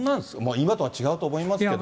今とは違うと思いますけど。